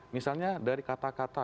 misalnya dari kata kata